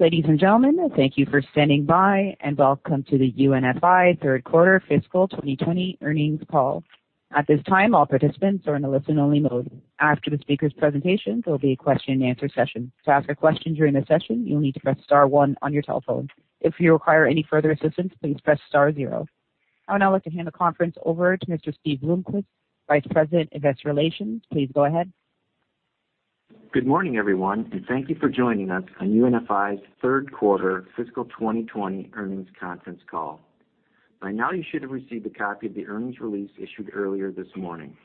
Ladies and gentlemen, thank you for standing by, and welcome to the UNFI 3rd Quarter Fiscal 2020 Earnings Call. At this time, all participants are in a listen-only mode. After the speaker's presentation, there will be a question-and-answer session. To ask a question during the session, you'll need to press star one on your telephone. If you require any further assistance, please press star zero. I would now like to hand the conference over to Mr. Steve Bloomquist, Vice President of Investor Relations. Please go ahead. Good morning, everyone, and thank you for joining us on UNFI's 3rd Quarter Fiscal 2020 Earnings Conference Call. By now, you should have received a copy of the earnings release issued earlier this morning.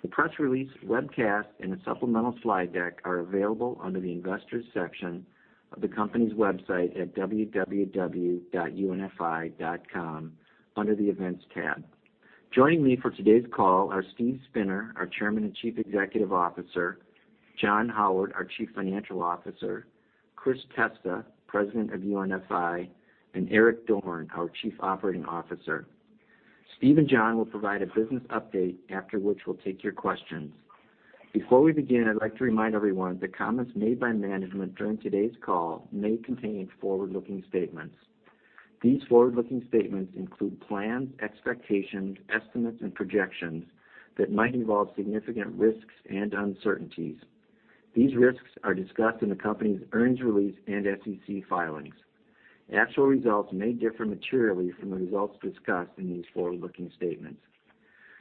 The press release, webcast, and a supplemental slide deck are available under the investors' section of the company's website at www.unfi.com under the events tab. Joining me for today's call are Steve Spinner, our Chairman and Chief Executive Officer; John Howard, our Chief Financial Officer; Chris Testa, President of UNFI; and Eric Dorne, our Chief Operating Officer. Steve and John will provide a business update, after which we'll take your questions. Before we begin, I'd like to remind everyone that comments made by management during today's call may contain forward-looking statements. These forward-looking statements include plans, expectations, estimates, and projections that might involve significant risks and uncertainties. These risks are discussed in the company's earnings release and SEC filings. Actual results may differ materially from the results discussed in these forward-looking statements.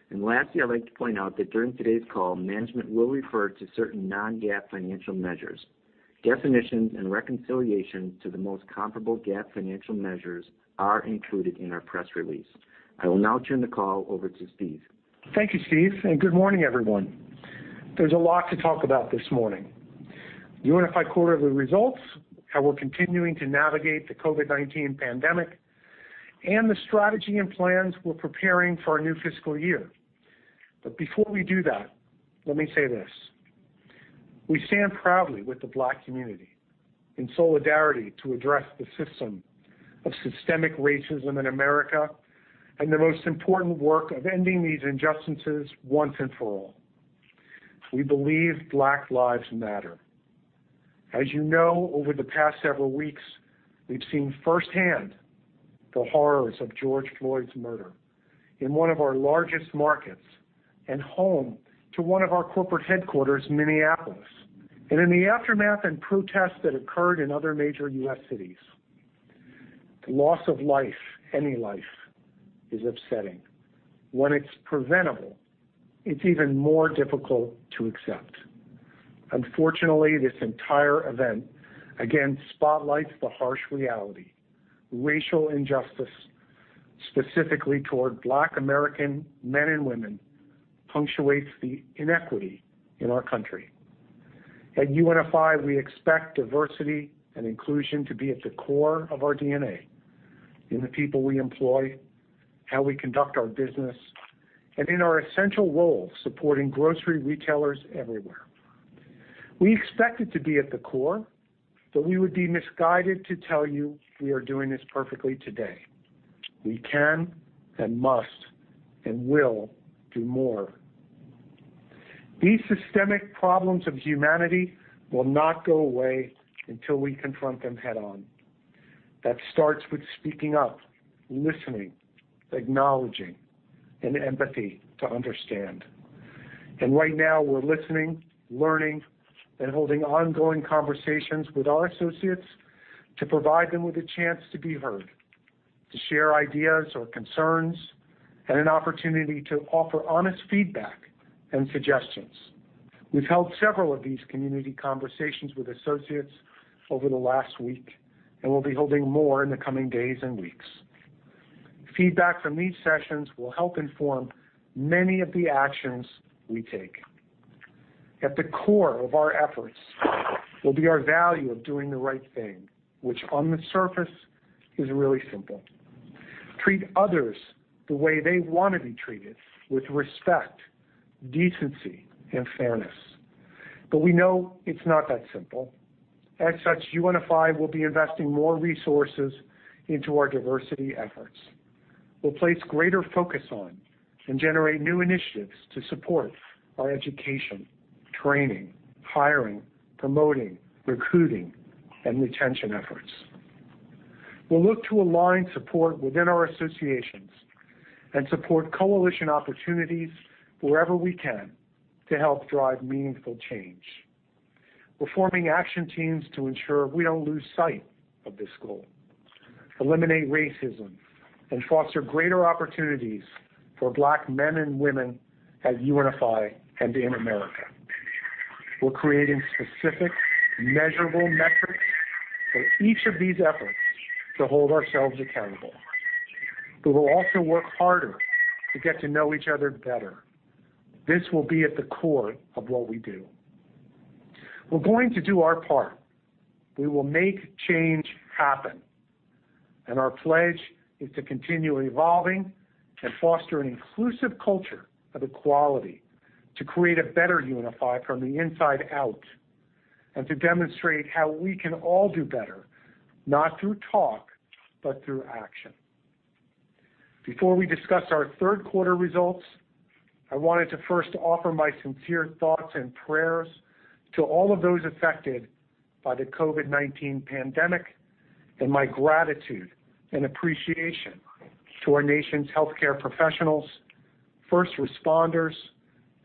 Lastly, I'd like to point out that during today's call, management will refer to certain non-GAAP financial measures. Definitions and reconciliations to the most comparable GAAP financial measures are included in our press release. I will now turn the call over to Steve. Thank you, Steve, and good morning, everyone. There is a lot to talk about this morning: UNFI quarterly results, how we are continuing to navigate the COVID-19 pandemic, and the strategy and plans we are preparing for our new fiscal year. Before we do that, let me say this: We stand proudly with the Black community in solidarity to address the system of systemic racism in America and the most important work of ending these injustices once and for all. We believe Black lives matter. As you know, over the past several weeks, we have seen firsthand the horrors of George Floyd's murder in one of our largest markets and home to one of our corporate headquarters in Minneapolis, and in the aftermath and protests that occurred in other major U.S. cities. The loss of life, any life, is upsetting. When it is preventable, it is even more difficult to accept. Unfortunately, this entire event again spotlights the harsh reality: racial injustice, specifically toward Black American men and women, punctuates the inequity in our country. At UNFI, we expect diversity and inclusion to be at the core of our DNA, in the people we employ, how we conduct our business, and in our essential role supporting grocery retailers everywhere. We expect it to be at the core, but we would be misguided to tell you we are doing this perfectly today. We can and must and will do more. These systemic problems of humanity will not go away until we confront them head-on. That starts with speaking up, listening, acknowledging, and empathy to understand. Right now, we're listening, learning, and holding ongoing conversations with our associates to provide them with a chance to be heard, to share ideas or concerns, and an opportunity to offer honest feedback and suggestions. We've held several of these community conversations with associates over the last week, and we'll be holding more in the coming days and weeks. Feedback from these sessions will help inform many of the actions we take. At the core of our efforts will be our value of doing the right thing, which on the surface is really simple: treat others the way they want to be treated with respect, decency, and fairness. We know it's not that simple. As such, UNFI will be investing more resources into our diversity efforts. We'll place greater focus on and generate new initiatives to support our education, training, hiring, promoting, recruiting, and retention efforts. We'll look to align support within our associations and support coalition opportunities wherever we can to help drive meaningful change. We're forming action teams to ensure we don't lose sight of this goal, eliminate racism, and foster greater opportunities for Black men and women at UNFI and in America. We're creating specific, measurable metrics for each of these efforts to hold ourselves accountable. We will also work harder to get to know each other better. This will be at the core of what we do. We're going to do our part. We will make change happen. Our pledge is to continue evolving and foster an inclusive culture of equality to create a better UNFI from the inside out and to demonstrate how we can all do better, not through talk, but through action. Before we discuss our third quarter results, I wanted to first offer my sincere thoughts and prayers to all of those affected by the COVID-19 pandemic and my gratitude and appreciation to our nation's healthcare professionals, first responders,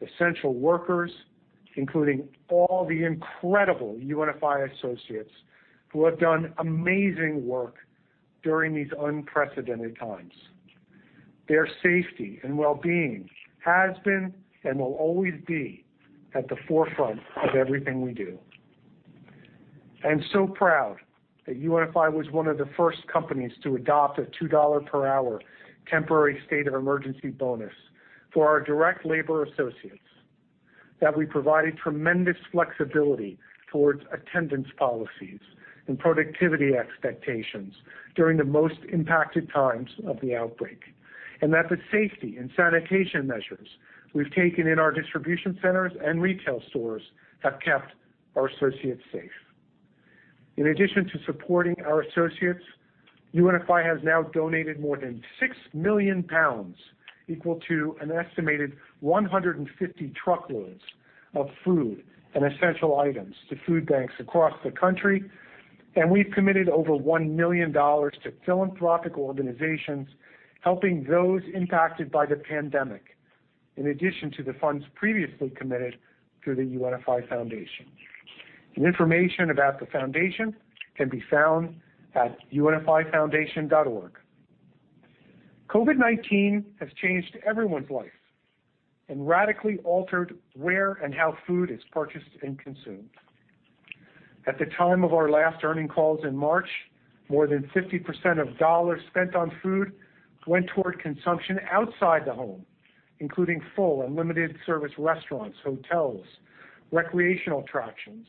essential workers, including all the incredible UNFI associates who have done amazing work during these unprecedented times. Their safety and well-being has been and will always be at the forefront of everything we do. I am so proud that UNFI was one of the first companies to adopt a $2 per hour temporary state of emergency bonus for our direct labor associates, that we provided tremendous flexibility towards attendance policies and productivity expectations during the most impacted times of the outbreak, and that the safety and sanitation measures we've taken in our distribution centers and retail stores have kept our associates safe. In addition to supporting our associates, UNFI has now donated more than 6 million pounds, equal to an estimated 150 truckloads of food and essential items to food banks across the country, and we've committed over $1 million to philanthropic organizations helping those impacted by the pandemic, in addition to the funds previously committed through the UNFI Foundation. Information about the foundation can be found at unfifoundation.org. COVID-19 has changed everyone's life and radically altered where and how food is purchased and consumed. At the time of our last earning calls in March, more than 50% of dollars spent on food went toward consumption outside the home, including full and limited service restaurants, hotels, recreational attractions,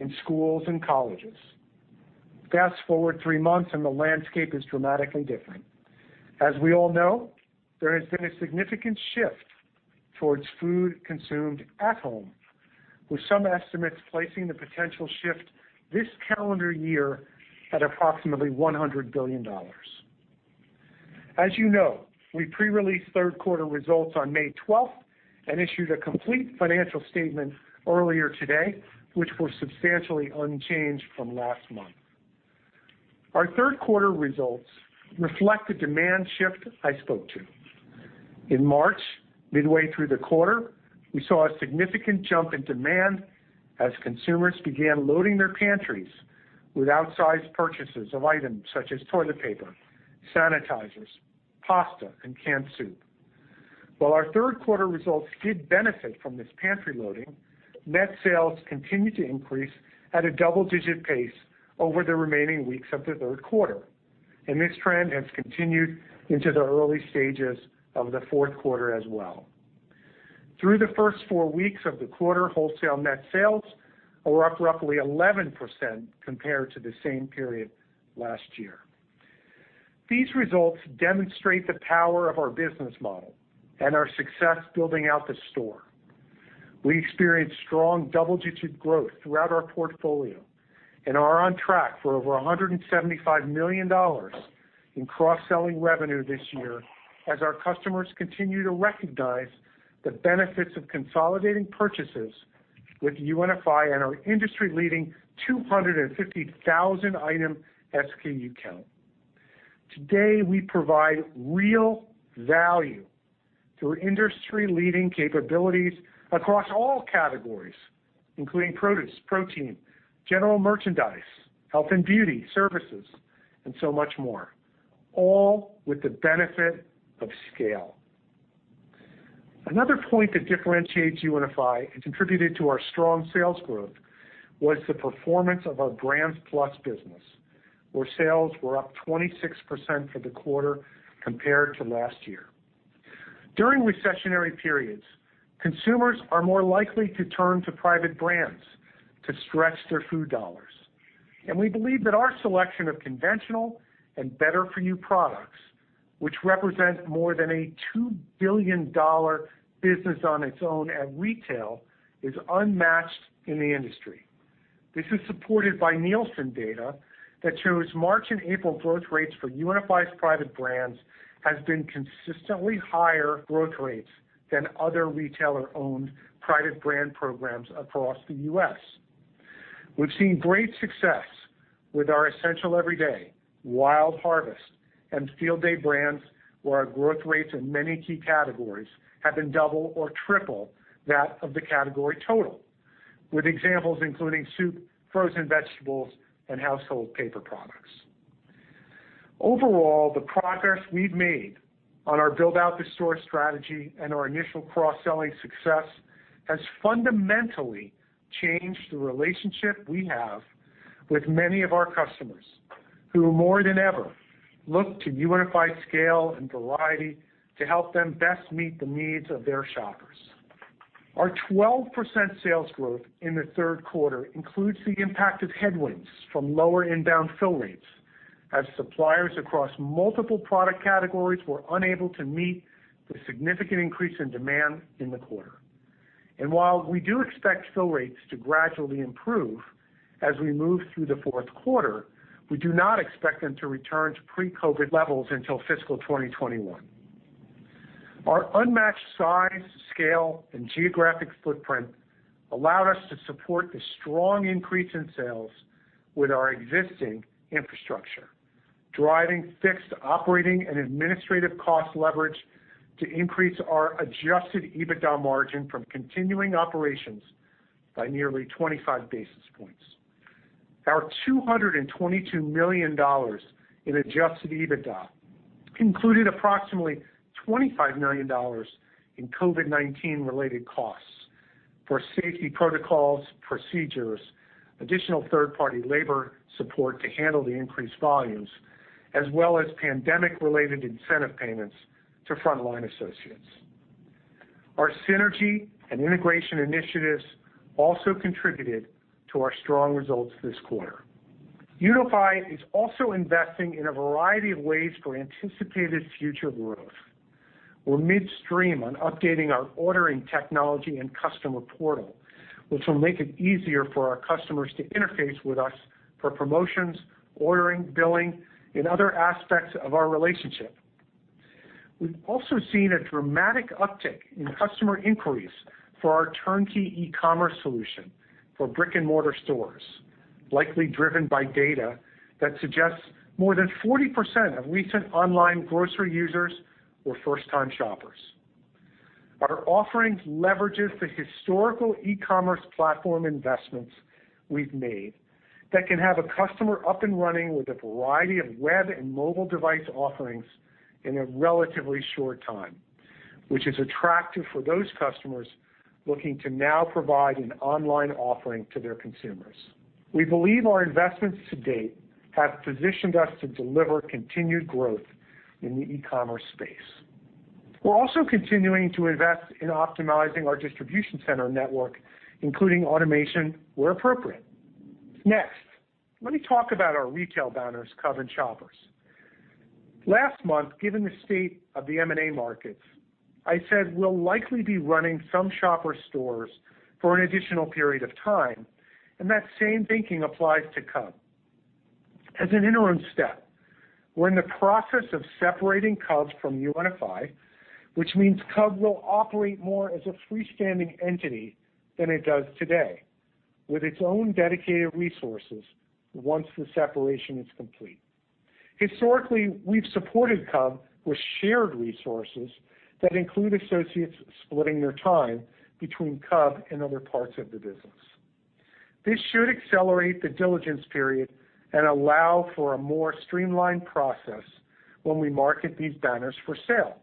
and schools and colleges. Fast forward three months, and the landscape is dramatically different. As we all know, there has been a significant shift towards food consumed at home, with some estimates placing the potential shift this calendar year at approximately $100 billion. As you know, we pre-released third quarter results on May 12th and issued a complete financial statement earlier today, which were substantially unchanged from last month. Our third quarter results reflect the demand shift I spoke to. In March, midway through the quarter, we saw a significant jump in demand as consumers began loading their pantries with outsized purchases of items such as toilet paper, sanitizers, pasta, and canned soup. While our third quarter results did benefit from this pantry loading, net sales continued to increase at a double-digit pace over the remaining weeks of the third quarter, and this trend has continued into the early stages of the fourth quarter as well. Through the first four weeks of the quarter, wholesale net sales were up roughly 11% compared to the same period last year. These results demonstrate the power of our business model and our success building out the store. We experienced strong double-digit growth throughout our portfolio and are on track for over $175 million in cross-selling revenue this year as our customers continue to recognize the benefits of consolidating purchases with UNFI and our industry-leading 250,000-item SKU count. Today, we provide real value through industry-leading capabilities across all categories, including produce, protein, general merchandise, health and beauty services, and so much more, all with the benefit of scale. Another point that differentiates UNFI and contributed to our strong sales growth was the performance of our Brands+ business, where sales were up 26% for the quarter compared to last year. During recessionary periods, consumers are more likely to turn to private brands to stretch their food dollars. We believe that our selection of conventional and better-for-you products, which represent more than a $2 billion business on its own at retail, is unmatched in the industry. This is supported by Nielsen data that shows March and April growth rates for UNFI's private brands have been consistently higher growth rates than other retailer-owned private brand programs across the U.S. We've seen great success with our Essential Everyday, Wild Harvest, and Field Day brands, where our growth rates in many key categories have been double or triple that of the category total, with examples including soup, frozen vegetables, and household paper products. Overall, the progress we've made on our Build Out the Store strategy and our initial cross-selling success has fundamentally changed the relationship we have with many of our customers who, more than ever, look to UNFI scale and variety to help them best meet the needs of their shoppers. Our 12% sales growth in the third quarter includes the impact of headwinds from lower inbound fill rates, as suppliers across multiple product categories were unable to meet the significant increase in demand in the quarter. While we do expect fill rates to gradually improve as we move through the fourth quarter, we do not expect them to return to pre-COVID levels until fiscal 2021. Our unmatched size, scale, and geographic footprint allowed us to support the strong increase in sales with our existing infrastructure, driving fixed operating and administrative cost leverage to increase our adjusted EBITDA margin from continuing operations by nearly 25 basis points. Our $222 million in adjusted EBITDA included approximately $25 million in COVID-19-related costs for safety protocols, procedures, additional third-party labor support to handle the increased volumes, as well as pandemic-related incentive payments to frontline associates. Our synergy and integration initiatives also contributed to our strong results this quarter. UNFI is also investing in a variety of ways for anticipated future growth. We're midstream on updating our ordering technology and customer portal, which will make it easier for our customers to interface with us for promotions, ordering, billing, and other aspects of our relationship. We've also seen a dramatic uptick in customer inquiries for our turnkey e-commerce solution for brick-and-mortar stores, likely driven by data that suggests more than 40% of recent online grocery users were first-time shoppers. Our offering leverages the historical e-commerce platform investments we've made that can have a customer up and running with a variety of web and mobile device offerings in a relatively short time, which is attractive for those customers looking to now provide an online offering to their consumers. We believe our investments to date have positioned us to deliver continued growth in the e-commerce space. We're also continuing to invest in optimizing our distribution center network, including automation where appropriate. Next, let me talk about our retail banners, Cub and Shoppers. Last month, given the state of the M&A markets, I said we'll likely be running some shopper stores for an additional period of time, and that same thinking applies to Cub. As an interim step, we're in the process of separating Cub from UNFI, which means Cub will operate more as a freestanding entity than it does today, with its own dedicated resources once the separation is complete. Historically, we've supported Cub with shared resources that include associates splitting their time between Cub and other parts of the business. This should accelerate the diligence period and allow for a more streamlined process when we market these banners for sale.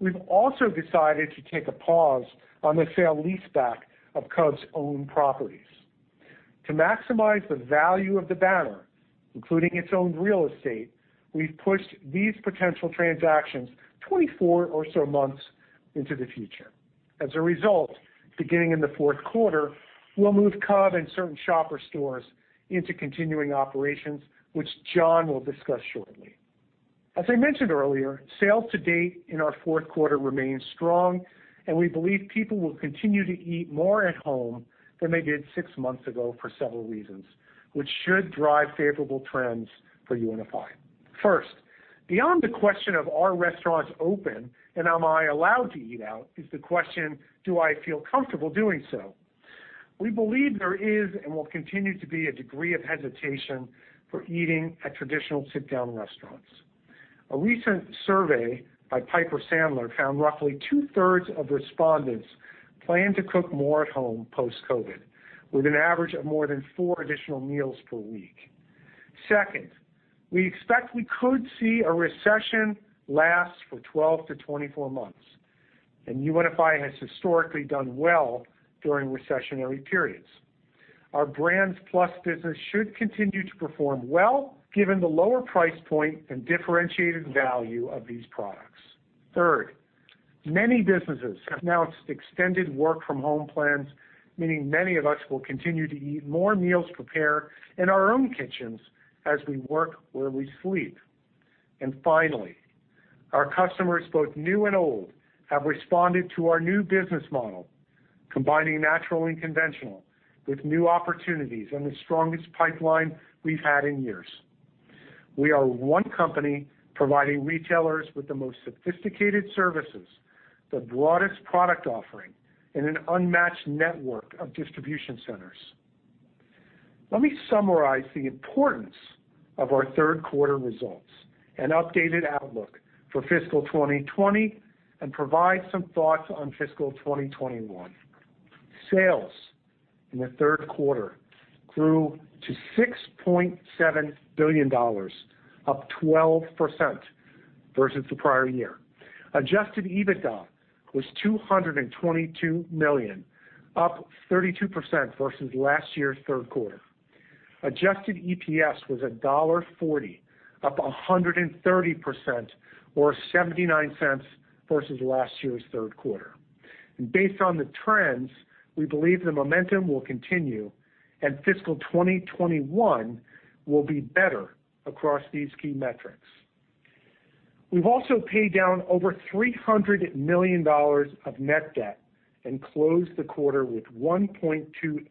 We've also decided to take a pause on the sale-leaseback of Cub's own properties. To maximize the value of the banner, including its own real estate, we've pushed these potential transactions 24 or so months into the future. As a result, beginning in the fourth quarter, we'll move Cub in certain shopper stores into continuing operations, which John will discuss shortly. As I mentioned earlier, sales to date in our fourth quarter remain strong, and we believe people will continue to eat more at home than they did six months ago for several reasons, which should drive favorable trends for UNFI. First, beyond the question of are restaurants open and am I allowed to eat out, is the question, do I feel comfortable doing so? We believe there is and will continue to be a degree of hesitation for eating at traditional sit-down restaurants. A recent survey by Piper Sandler found roughly two-thirds of respondents plan to cook more at home post-COVID, with an average of more than four additional meals per week. Second, we expect we could see a recession last for 12 months to 24 months, and UNFI has historically done well during recessionary periods. Our Brands+ business should continue to perform well given the lower price point and differentiated value of these products. Third, many businesses have announced extended work-from-home plans, meaning many of us will continue to eat more meals prepared in our own kitchens as we work where we sleep. Finally, our customers, both new and old, have responded to our new business model, combining natural and conventional with new opportunities and the strongest pipeline we've had in years. We are one company providing retailers with the most sophisticated services, the broadest product offering, and an unmatched network of distribution centers. Let me summarize the importance of our third quarter results and updated outlook for Fiscal 2020 and provide some thoughts on Fiscal 2021. Sales in the third quarter grew to $6.7 billion, up 12% versus the prior year. Adjusted EBITDA was $222 million, up 32% versus last year's third quarter. Adjusted EPS was $1.40, up 130% or $0.79 versus last year's third quarter. Based on the trends, we believe the momentum will continue and Fiscal 2021 will be better across these key metrics. We have also paid down over $300 million of net debt and closed the quarter with $1.2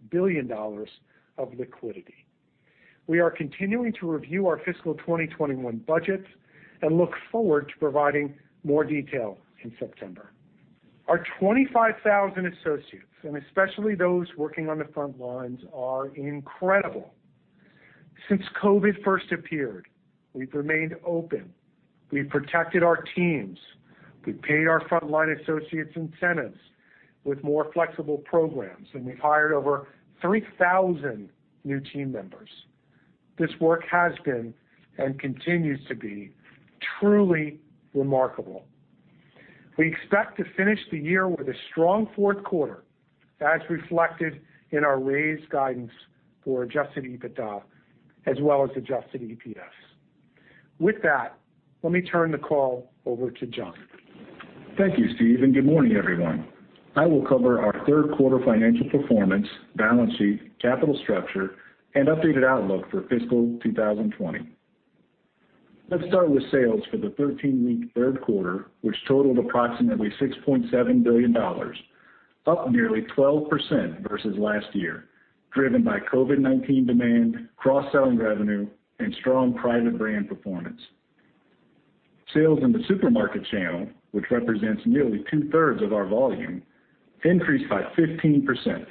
billion of liquidity. We are continuing to review our Fiscal 2021 budget and look forward to providing more detail in September. Our 25,000 associates, and especially those working on the front lines, are incredible. Since COVID first appeared, we have remained open. We have protected our teams. We have paid our frontline associates incentives with more flexible programs, and we have hired over 3,000 new team members. This work has been and continues to be truly remarkable. We expect to finish the year with a strong fourth quarter, as reflected in our raise guidance for adjusted EBITDA, as well as adjusted EPS. With that, let me turn the call over to John. Thank you, Steve, and good morning, everyone. I will cover our third quarter financial performance, balance sheet, capital structure, and updated outlook for Fiscal 2020. Let's start with sales for the 13-week third quarter, which totaled approximately $6.7 billion, up nearly 12% versus last year, driven by COVID-19 demand, cross-selling revenue, and strong private brand performance. Sales in the Supermarket channel, which represents nearly two-thirds of our volume, increased by 15%.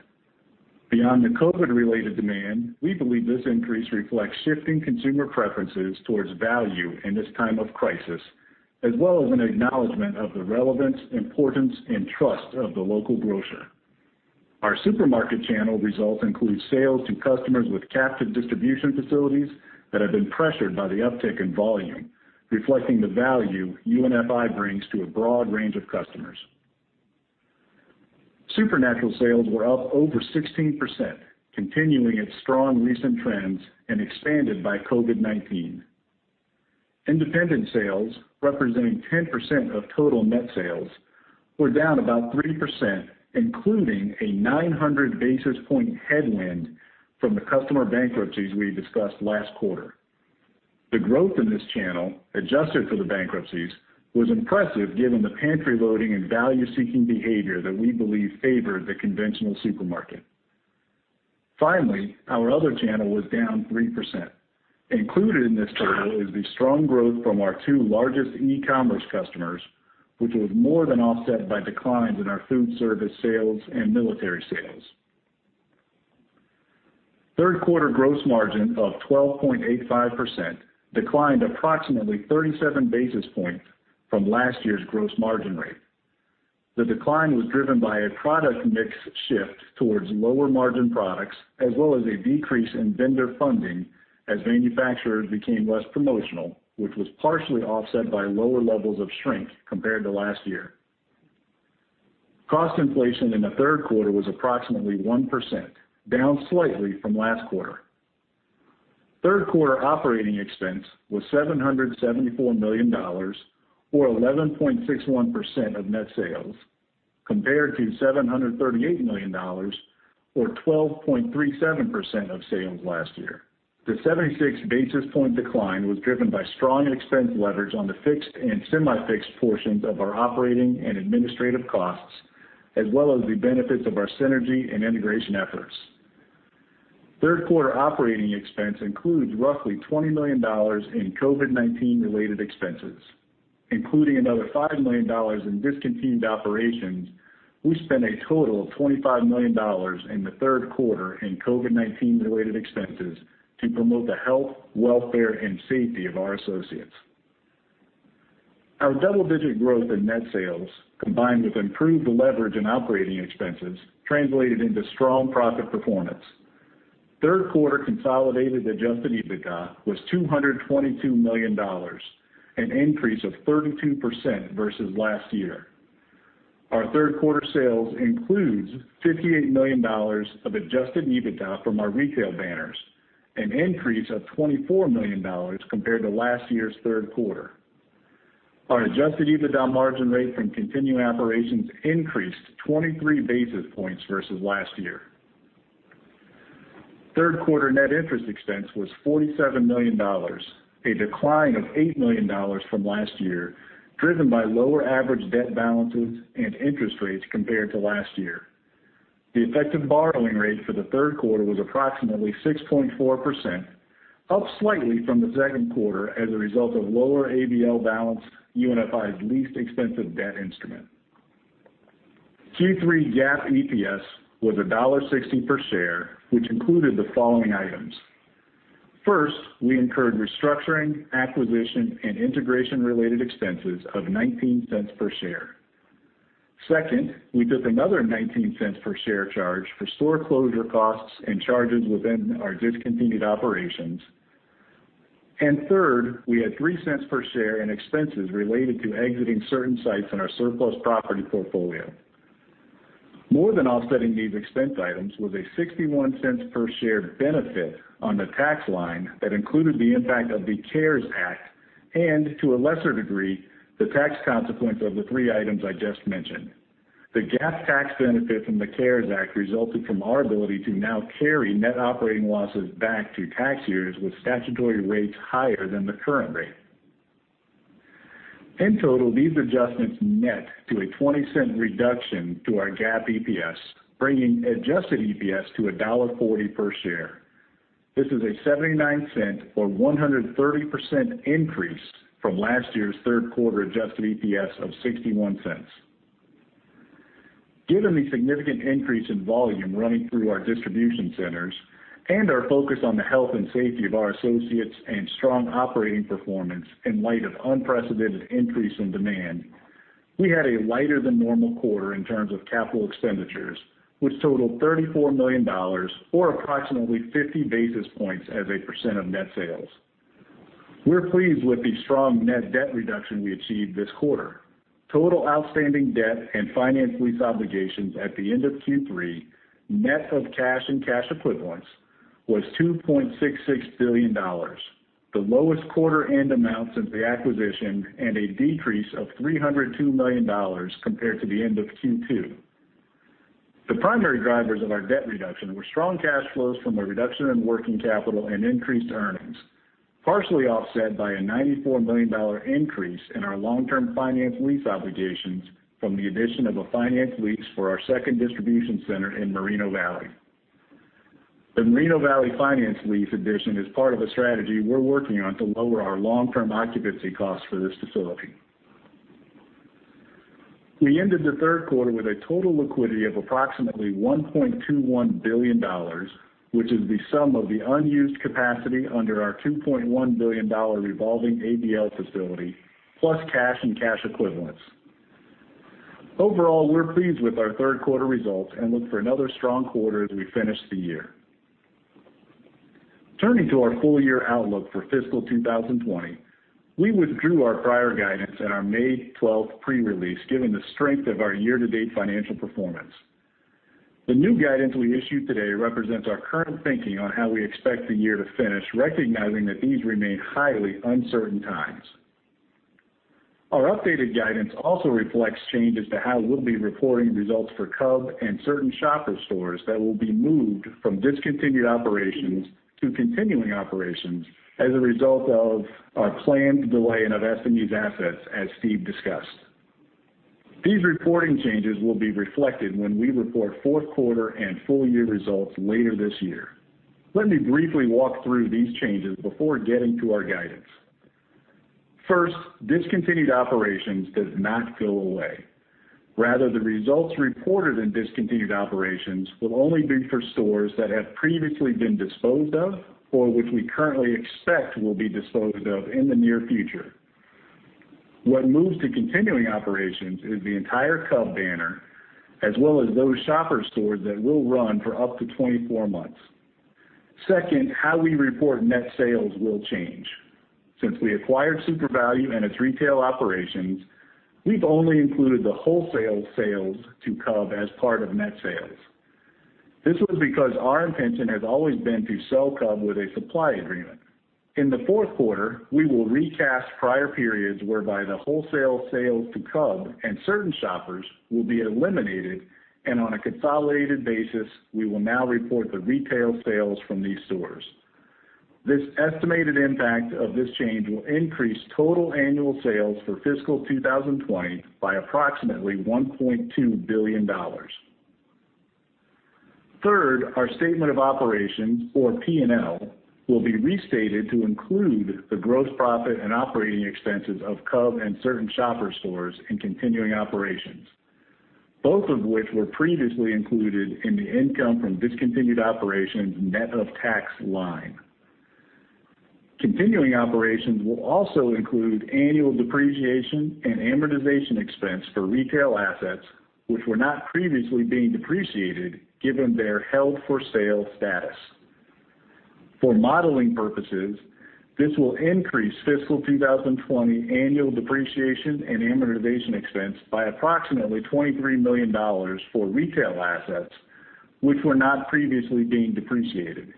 Beyond the COVID-related demand, we believe this increase reflects shifting consumer preferences towards value in this time of crisis, as well as an acknowledgment of the relevance, importance, and trust of the local grocer. Our Supermarket channel results include sales to customers with captive distribution facilities that have been pressured by the uptick in volume, reflecting the value UNFI brings to a broad range of customers. Supernatural sales were up over 16%, continuing its strong recent trends and expanded by COVID-19. Independent sales, representing 10% of total net sales, were down about 3%, including a 900 basis point headwind from the customer bankruptcies we discussed last quarter. The growth in this channel, adjusted for the bankruptcies, was impressive given the pantry loading and value-seeking behavior that we believe favored the conventional supermarket. Finally, our other channel was down 3%. Included in this total is the strong growth from our two largest e-commerce customers, which was more than offset by declines in our food service sales and military sales. Third quarter gross margin of 12.85% declined approximately 37 basis points from last year's gross margin rate. The decline was driven by a product mix shift towards lower margin products, as well as a decrease in vendor funding as manufacturers became less promotional, which was partially offset by lower levels of shrink compared to last year. Cost inflation in the third quarter was approximately 1%, down slightly from last quarter. Third quarter operating expense was $774 million, or 11.61% of net sales, compared to $738 million, or 12.37% of sales last year. The 76 basis point decline was driven by strong expense leverage on the fixed and semi-fixed portions of our operating and administrative costs, as well as the benefits of our synergy and integration efforts. Third quarter operating expense includes roughly $20 million in COVID-19-related expenses. Including another $5 million in discontinued operations, we spent a total of $25 million in the third quarter in COVID-19-related expenses to promote the health, welfare, and safety of our associates. Our double-digit growth in net sales, combined with improved leverage and operating expenses, translated into strong profit performance. Third quarter consolidated adjusted EBITDA was $222 million, an increase of 32% versus last year. Our third quarter sales includes $58 million of adjusted EBITDA from our retail banners, an increase of $24 million compared to last year's third quarter. Our adjusted EBITDA margin rate from continuing operations increased 23 basis points versus last year. Third quarter net interest expense was $47 million, a decline of $8 million from last year, driven by lower average debt balances and interest rates compared to last year. The effective borrowing rate for the third quarter was approximately 6.4%, up slightly from the second quarter as a result of lower ABL balance, UNFI's least expensive debt instrument. Q3 GAAP EPS was $1.60 per share, which included the following items. First, we incurred restructuring, acquisition, and integration-related expenses of $0.19 per share. Second, we took another $0.19 per share charge for store closure costs and charges within our discontinued operations. Third, we had $0.03 per share in expenses related to exiting certain sites in our surplus property portfolio. More than offsetting these expense items was a $0.61 per share benefit on the tax line that included the impact of the CARES Act and, to a lesser degree, the tax consequence of the three items I just mentioned. The GAAP tax benefit from the CARES Act resulted from our ability to now carry net operating losses back to tax years with statutory rates higher than the current rate. In total, these adjustments net to a $0.20 reduction to our GAAP EPS, bringing adjusted EPS to $1.40 per share. This is a $0.79 or 130% increase from last year's third quarter adjusted EPS of $0.61. Given the significant increase in volume running through our distribution centers and our focus on the health and safety of our associates and strong operating performance in light of unprecedented increase in demand, we had a lighter-than-normal quarter in terms of capital expenditures, which totaled $34 million, or approximately 50 basis points as a percent of net sales. We're pleased with the strong net debt reduction we achieved this quarter. Total outstanding debt and finance lease obligations at the end of Q3, net of cash and cash equivalents, was $2.66 billion, the lowest quarter-end amount since the acquisition and a decrease of $302 million compared to the end of Q2. The primary drivers of our debt reduction were strong cash flows from a reduction in working capital and increased earnings, partially offset by a $94 million increase in our long-term finance lease obligations from the addition of a finance lease for our second distribution center in Moreno Valley. The Moreno Valley finance lease addition is part of a strategy we're working on to lower our long-term occupancy costs for this facility. We ended the third quarter with a total liquidity of approximately $1.21 billion, which is the sum of the unused capacity under our $2.1 billion revolving ABL facility, plus cash and cash equivalents. Overall, we're pleased with our third quarter results and look for another strong quarter as we finish the year. Turning to our full-year outlook for Fiscal 2020, we withdrew our prior guidance in our May 12 pre-release, given the strength of our year-to-date financial performance. The new guidance we issued today represents our current thinking on how we expect the year to finish, recognizing that these remain highly uncertain times. Our updated guidance also reflects changes to how we'll be reporting results for Cub and certain shopper stores that will be moved from discontinued operations to continuing operations as a result of our planned delay in investing these assets, as Steve discussed. These reporting changes will be reflected when we report fourth quarter and full-year results later this year. Let me briefly walk through these changes before getting to our guidance. First, discontinued operations does not go away. Rather, the results reported in discontinued operations will only be for stores that have previously been disposed of or which we currently expect will be disposed of in the near future. What moves to continuing operations is the entire Cub banner, as well as those shopper stores that will run for up to 24 months. Second, how we report net sales will change. Since we acquired SuperValu and its retail operations, we've only included the wholesale sales to Cub as part of net sales. This was because our intention has always been to sell Cub with a supply agreement. In the fourth quarter, we will recast prior periods whereby the wholesale sales to Cub and certain shoppers will be eliminated, and on a consolidated basis, we will now report the retail sales from these stores. This estimated impact of this change will increase total annual sales for fiscal 2020 by approximately $1.2 billion. Third, our statement of operations, or P&L, will be restated to include the gross profit and operating expenses of Cub and certain shopper stores in continuing operations, both of which were previously included in the income from discontinued operations net of tax line. Continuing operations will also include annual depreciation and amortization expense for retail assets, which were not previously being depreciated given their held-for-sale status. For modeling purposes, this will increase Fiscal 2020 annual depreciation and amortization expense by approximately $23 million for retail assets, which were not previously being depreciated.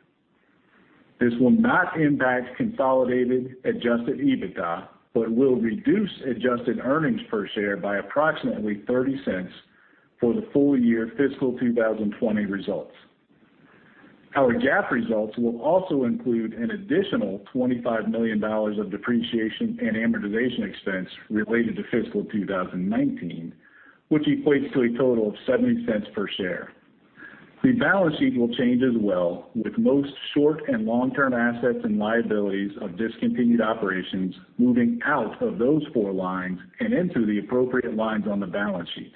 This will not impact consolidated adjusted EBITDA, but will reduce adjusted earnings per share by approximately $0.30 for the full-year Fiscal 2020 results. Our GAAP results will also include an additional $25 million of depreciation and amortization expense related to fiscal 2019, which equates to a total of $0.70 per share. The balance sheet will change as well, with most short and long-term assets and liabilities of discontinued operations moving out of those four lines and into the appropriate lines on the balance sheet.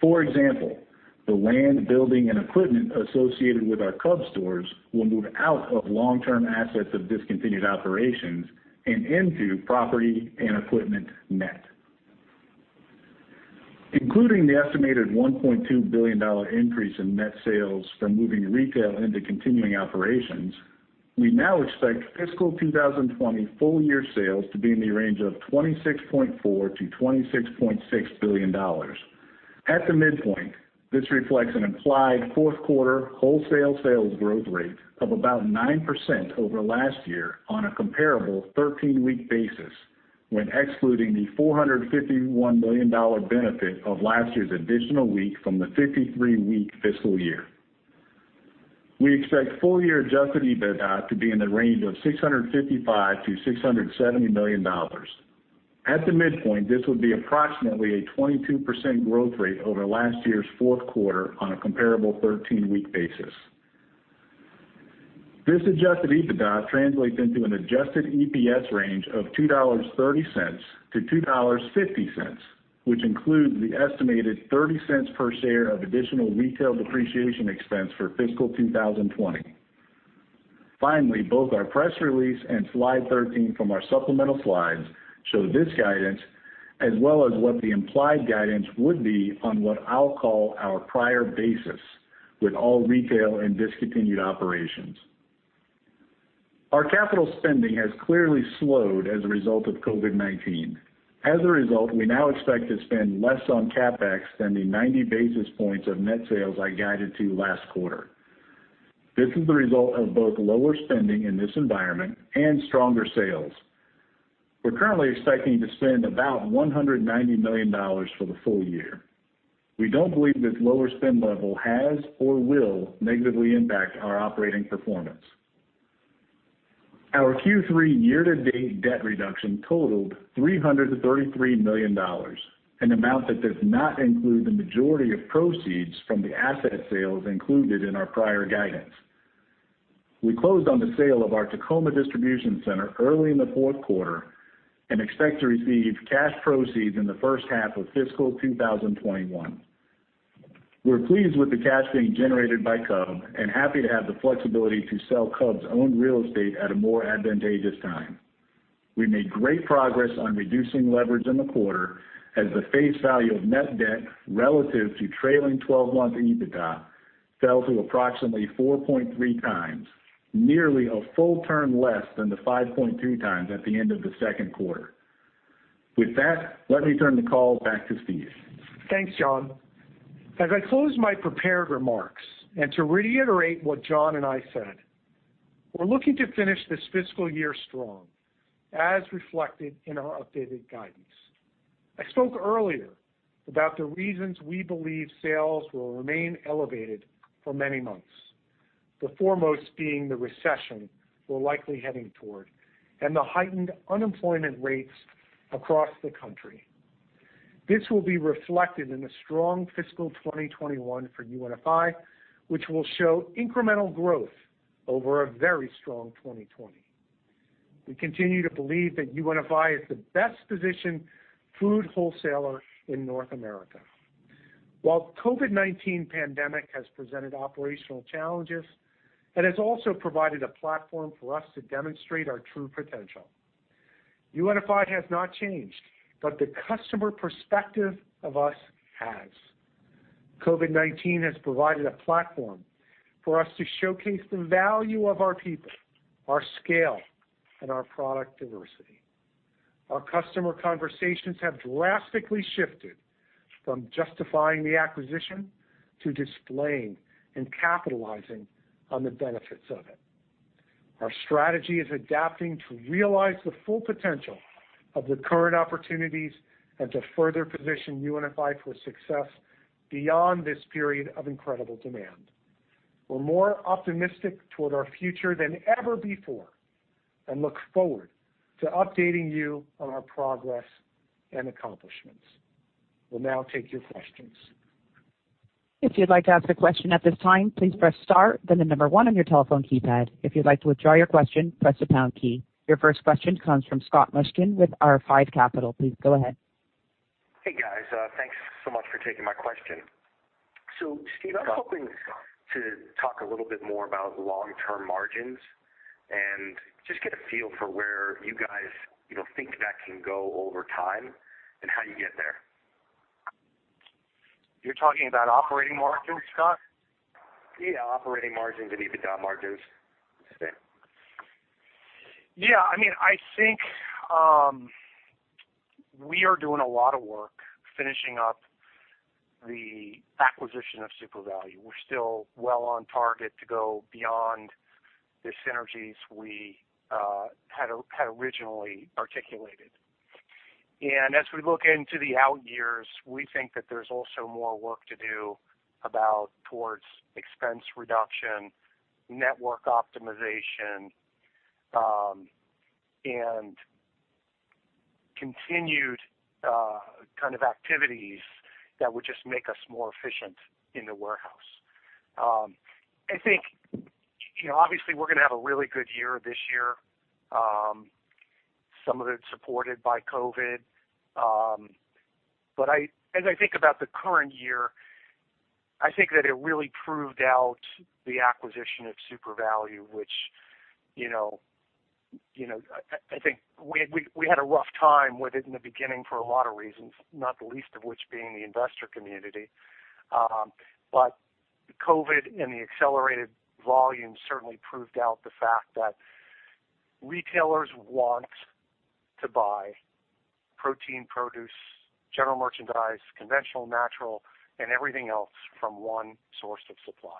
For example, the land, building, and equipment associated with our Cub stores will move out of long-term assets of discontinued operations and into property and equipment net. Including the estimated $1.2 billion increase in net sales from moving retail into continuing operations, we now expect Fiscal 2020 full-year sales to be in the range of $26.4 billion to $26.6 billion. At the midpoint, this reflects an implied fourth quarter wholesale sales growth rate of about 9% over last year on a comparable 13-week basis, when excluding the $451 million benefit of last year's additional week from the 53-week fiscal year. We expect full-year adjusted EBITDA to be in the range of $655-$670 million. At the midpoint, this would be approximately a 22% growth rate over last year's fourth quarter on a comparable 13-week basis. This adjusted EBITDA translates into an adjusted EPS range of $2.30 to $2.50, which includes the estimated $0.30 per share of additional retail depreciation expense for Fiscal 2020. Finally, both our press release and slide 13 from our supplemental slides show this guidance, as well as what the implied guidance would be on what I'll call our prior basis with all retail and discontinued operations. Our capital spending has clearly slowed as a result of COVID-19. As a result, we now expect to spend less on CapEx than the 90 basis points of net sales I guided to last quarter. This is the result of both lower spending in this environment and stronger sales. We're currently expecting to spend about $190 million for the full year. We don't believe this lower spend level has or will negatively impact our operating performance. Our Q3 year-to-date debt reduction totaled $333 million, an amount that does not include the majority of proceeds from the asset sales included in our prior guidance. We closed on the sale of our Tacoma Distribution Center early in the fourth quarter and expect to receive cash proceeds in the first half of Fiscal 2021. We're pleased with the cash being generated by Cub and happy to have the flexibility to sell Cub's owned real estate at a more advantageous time. We made great progress on reducing leverage in the quarter as the face value of net debt relative to trailing 12-month EBITDA fell to approximately 4.3 times, nearly a full turn less than the 5.2 times at the end of the second quarter. With that, let me turn the call back to Steve. Thanks, John. As I close my prepared remarks and to reiterate what John and I said, we're looking to finish this fiscal year strong, as reflected in our updated guidance. I spoke earlier about the reasons we believe sales will remain elevated for many months, the foremost being the recession we're likely heading toward and the heightened unemployment rates across the country. This will be reflected in a strong Fiscal 2021 for UNFI, which will show incremental growth over a very strong 2020. We continue to believe that UNFI is the best-positioned food wholesaler in North America. While the COVID-19 pandemic has presented operational challenges, it has also provided a platform for us to demonstrate our true potential. UNFI has not changed, but the customer perspective of us has. COVID-19 has provided a platform for us to showcase the value of our people, our scale, and our product diversity. Our customer conversations have drastically shifted from justifying the acquisition to displaying and capitalizing on the benefits of it. Our strategy is adapting to realize the full potential of the current opportunities and to further position UNFI for success beyond this period of incredible demand. We're more optimistic toward our future than ever before and look forward to updating you on our progress and accomplishments. We'll now take your questions. If you'd like to ask a question at this time, please press star, then the number one on your telephone keypad. If you'd like to withdraw your question, press the pound key. Your first question comes from Scott Mushkin with R5 Capital. Please go ahead. Hey, guys. Thanks so much for taking my question. Steve, I'm hoping to talk a little bit more about long-term margins and just get a feel for where you guys think that can go over time and how you get there. You're talking about operating margins, Scott? Yeah, operating margins and EBITDA margins. Okay. Yeah. I mean, I think we are doing a lot of work finishing up the acquisition of SuperValu. We're still well on target to go beyond the synergies we had originally articulated. As we look into the out years, we think that there's also more work to do towards expense reduction, network optimization, and continued kind of activities that would just make us more efficient in the warehouse. I think, obviously, we're going to have a really good year this year, some of it is supported by COVID. As I think about the current year, I think that it really proved out the acquisition of SuperValu, which I think we had a rough time with in the beginning for a lot of reasons, not the least of which being the investor community. COVID and the accelerated volume certainly proved out the fact that retailers want to buy protein, produce, general merchandise, conventional, natural, and everything else from one source of supply.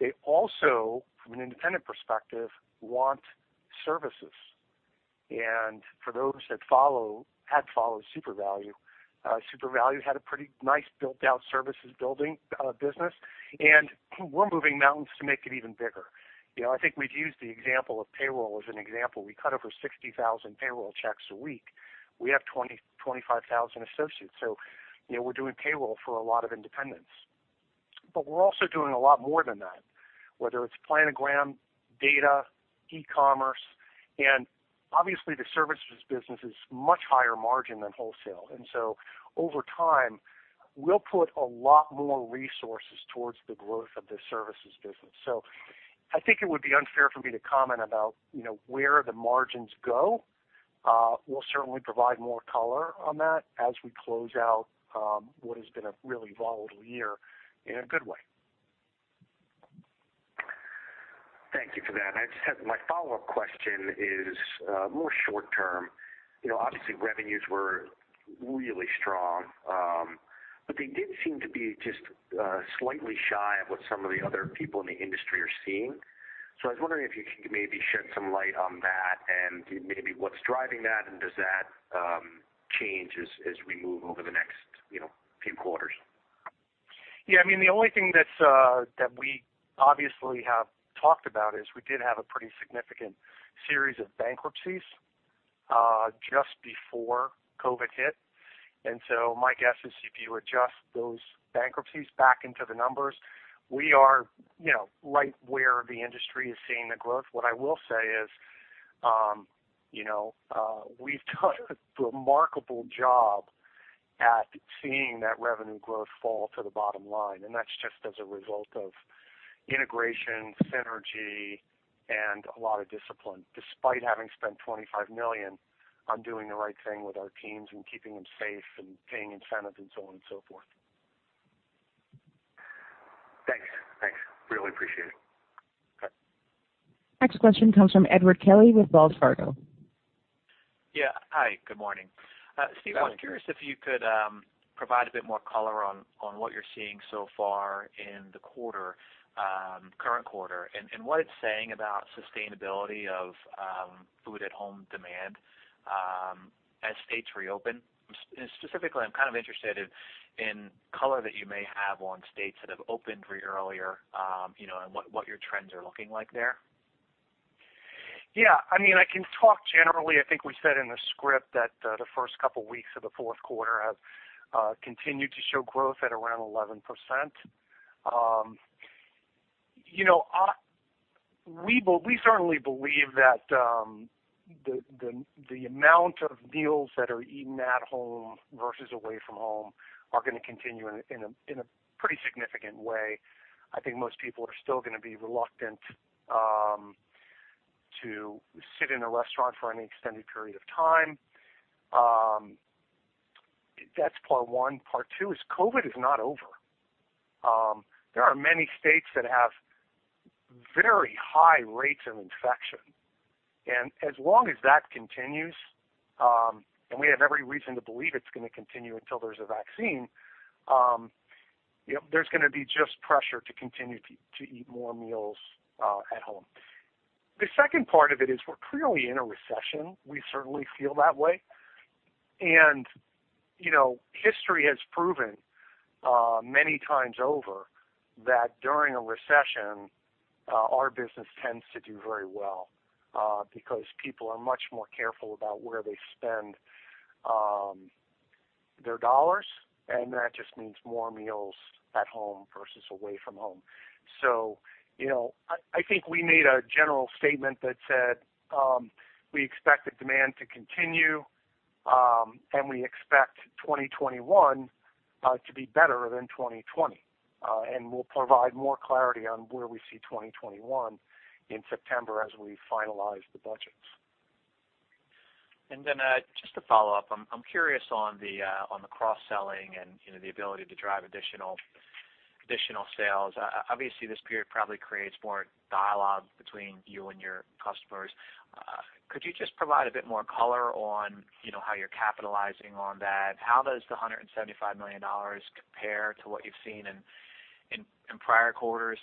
They also, from an independent perspective, want services. For those that had followed SuperValu, SuperValu had a pretty nice built-out services building business, and we're moving mountains to make it even bigger. I think we've used the example of payroll as an example. We cut over 60,000 payroll checks a week. We have 25,000 associates. We're doing payroll for a lot of independents. We're also doing a lot more than that, whether it's planogram, data, e-commerce, and obviously, the services business is much higher margin than wholesale. Over time, we'll put a lot more resources towards the growth of the services business. I think it would be unfair for me to comment about where the margins go. We'll certainly provide more color on that as we close out what has been a really volatile year in a good way. Thank you for that. My follow-up question is more short-term. Obviously, revenues were really strong, but they did seem to be just slightly shy of what some of the other people in the industry are seeing. I was wondering if you could maybe shed some light on that and maybe what's driving that, and does that change as we move over the next few quarters? Yeah. I mean, the only thing that we obviously have talked about is we did have a pretty significant series of bankruptcies just before COVID hit. My guess is if you adjust those bankruptcies back into the numbers, we are right where the industry is seeing the growth. What I will say is we've done a remarkable job at seeing that revenue growth fall to the bottom line. That's just as a result of integration, synergy, and a lot of discipline, despite having spent $25 million on doing the right thing with our teams and keeping them safe and paying incentives and so on and so forth. Thanks. Thanks. Really appreciate it. Okay. Next question comes from Edward Kelly with Wells Fargo. Yeah. Hi. Good morning. Steve, I was curious if you could provide a bit more color on what you're seeing so far in the current quarter and what it's saying about sustainability of food-at-home demand as states reopen. Specifically, I'm kind of interested in color that you may have on states that have opened earlier and what your trends are looking like there. Yeah. I mean, I can talk generally. I think we said in the script that the first couple of weeks of the fourth quarter have continued to show growth at around 11%. We certainly believe that the amount of meals that are eaten at home versus away from home are going to continue in a pretty significant way. I think most people are still going to be reluctant to sit in a restaurant for any extended period of time. That's part one. Part two is COVID is not over. There are many states that have very high rates of infection. As long as that continues, and we have every reason to believe it's going to continue until there's a vaccine, there's going to be just pressure to continue to eat more meals at home. The second part of it is we're clearly in a recession. We certainly feel that way. History has proven many times over that during a recession, our business tends to do very well because people are much more careful about where they spend their dollars, and that just means more meals at home versus away from home. I think we made a general statement that said we expect the demand to continue, and we expect 2021 to be better than 2020. We will provide more clarity on where we see 2021 in September as we finalize the budgets. Just to follow up, I'm curious on the cross-selling and the ability to drive additional sales. Obviously, this period probably creates more dialogue between you and your customers. Could you just provide a bit more color on how you're capitalizing on that? How does the $175 million compare to what you've seen in prior quarters?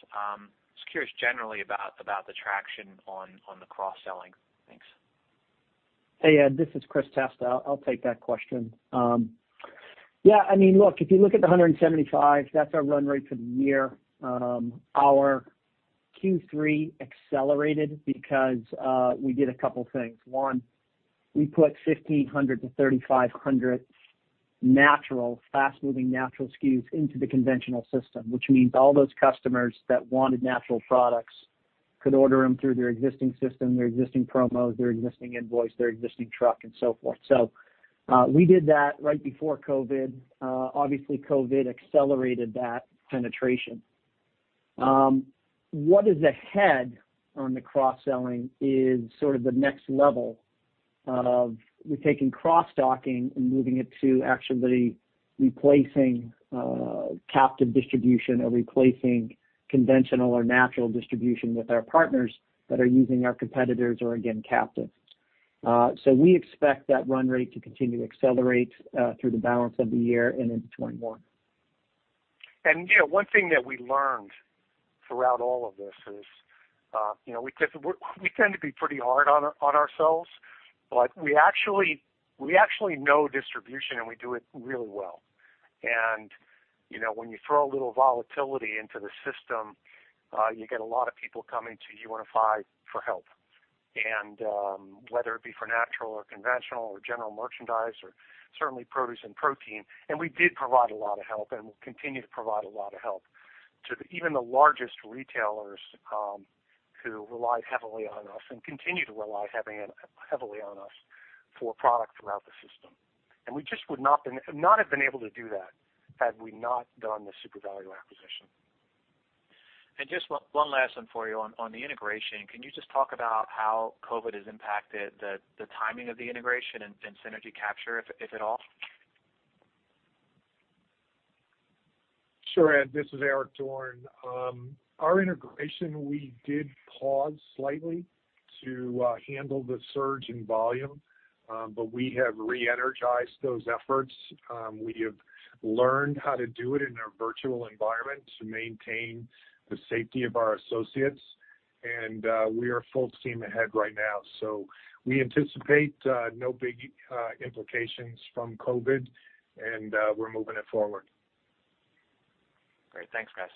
Just curious generally about the traction on the cross-selling. Thanks. Hey, this is Chris Testa. I'll take that question. Yeah. I mean, look, if you look at the 175, that's our run rate for the year. Our Q3 accelerated because we did a couple of things. One, we put 1,500 and 3,500 fast-moving natural SKUs into the conventional system, which means all those customers that wanted natural products could order them through their existing system, their existing promos, their existing invoice, their existing truck, and so forth. We did that right before COVID. Obviously, COVID accelerated that penetration. What is ahead on the cross-selling is sort of the next level of we're taking cross-docking and moving it to actually replacing captive distribution or replacing conventional or natural distribution with our partners that are using our competitors or, again, captive. We expect that run rate to continue to accelerate through the balance of the year and into 2021. One thing that we learned throughout all of this is we tend to be pretty hard on ourselves, but we actually know distribution, and we do it really well. When you throw a little volatility into the system, you get a lot of people coming to UNFI for help, whether it be for natural or conventional or general merchandise or certainly produce and protein. We did provide a lot of help and will continue to provide a lot of help to even the largest retailers who relied heavily on us and continue to rely heavily on us for product throughout the system. We just would not have been able to do that had we not done the SuperValu acquisition. Just one last one for you on the integration. Can you just talk about how COVID has impacted the timing of the integration and synergy capture, if at all? Sure. This is Eric Dorne. Our integration, we did pause slightly to handle the surge in volume, but we have re-energized those efforts. We have learned how to do it in a virtual environment to maintain the safety of our associates. We are full steam ahead right now. We anticipate no big implications from COVID, and we're moving it forward. Great. Thanks, guys.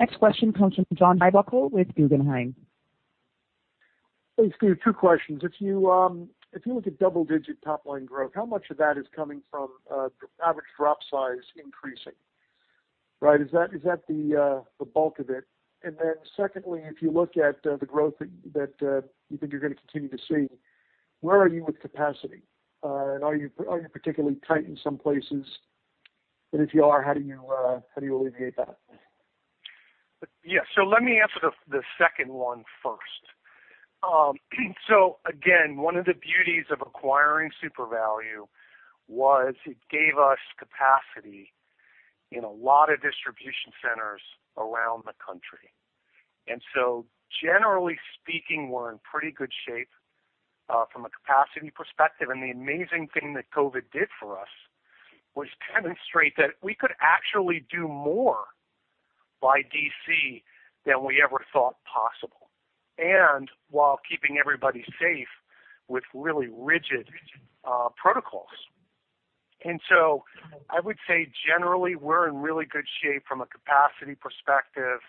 Next question comes from John Heinbockel with Guggenheim. Hey, Steve, two questions. If you look at double-digit top-line growth, how much of that is coming from average drop size increasing? Right? Is that the bulk of it? Secondly, if you look at the growth that you think you're going to continue to see, where are you with capacity? Are you particularly tight in some places? If you are, how do you alleviate that? Yeah. Let me answer the second one first. One of the beauties of acquiring SuperValu was it gave us capacity in a lot of distribution centers around the country. Generally speaking, we're in pretty good shape from a capacity perspective. The amazing thing that COVID did for us was demonstrate that we could actually do more by DC than we ever thought possible while keeping everybody safe with really rigid protocols. I would say generally, we're in really good shape from a capacity perspective.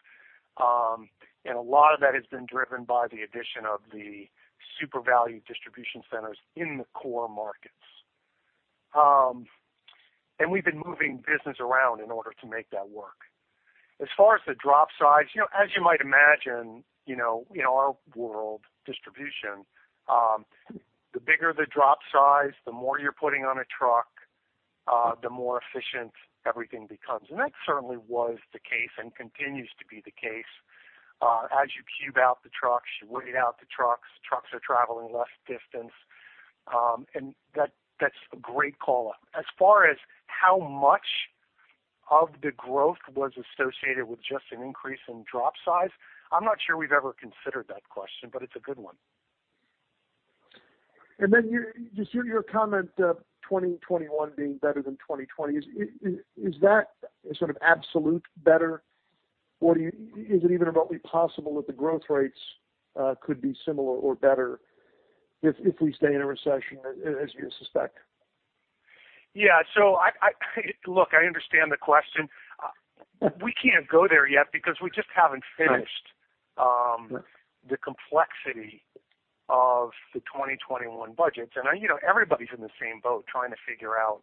A lot of that has been driven by the addition of the SuperValu distribution centers in the core markets. We've been moving business around in order to make that work. As far as the drop size, as you might imagine, in our world, distribution, the bigger the drop size, the more you're putting on a truck, the more efficient everything becomes. That certainly was the case and continues to be the case. As you cube out the trucks, you weigh out the trucks, trucks are traveling less distance. That is a great call. As far as how much of the growth was associated with just an increase in drop size, I'm not sure we've ever considered that question, but it's a good one. Just your comment, 2021 being better than 2020, is that sort of absolute better? Or is it even remotely possible that the growth rates could be similar or better if we stay in a recession, as you suspect? Yeah. Look, I understand the question. We can't go there yet because we just haven't finished the complexity of the 2021 budgets. Everybody's in the same boat trying to figure out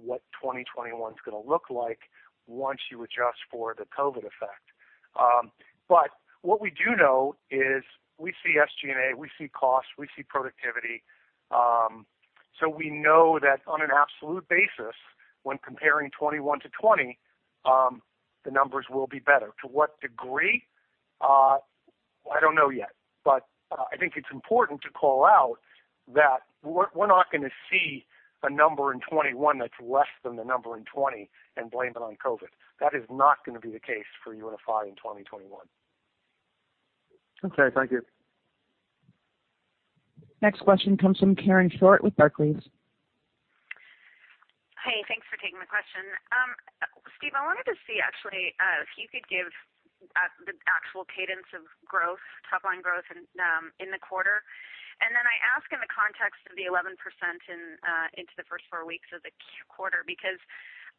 what 2021 is going to look like once you adjust for the COVID effect. What we do know is we see SG&A, we see cost, we see productivity. We know that on an absolute basis, when comparing 2021 to 2020, the numbers will be better. To what degree? I don't know yet. I think it's important to call out that we're not going to see a number in 2021 that's less than the number in 2020 and blame it on COVID. That is not going to be the case for UNFI in 2021. Okay. Thank you. Next question comes from Karen Short with Barclays. Hey, thanks for taking the question. Steve, I wanted to see actually if you could give the actual cadence of growth, top-line growth in the quarter. I ask in the context of the 11% into the first four weeks of the quarter because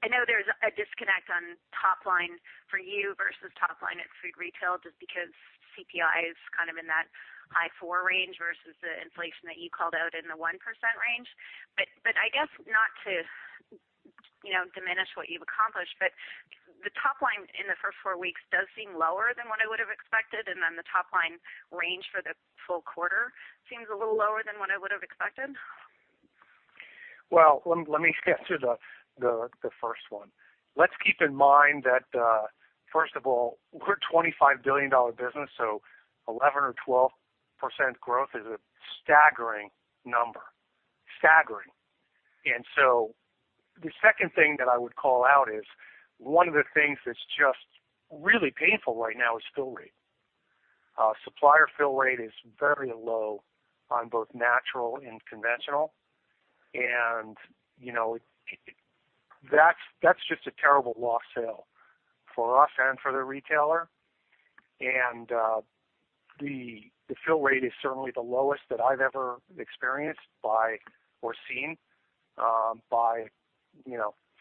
I know there's a disconnect on top line for you versus top line at food retail just because CPI is kind of in that high four range versus the inflation that you called out in the 1% range. I guess not to diminish what you've accomplished, but the top line in the first four weeks does seem lower than what I would have expected. The top line range for the full quarter seems a little lower than what I would have expected. Let me get to the first one. Let's keep in mind that, first of all, we're a $25 billion business, so 11% or 12% growth is a staggering number. Staggering. The second thing that I would call out is one of the things that's just really painful right now is fill rate. Supplier fill rate is very low on both natural and conventional. That's just a terrible lost sale for us and for the retailer. The fill rate is certainly the lowest that I've ever experienced or seen by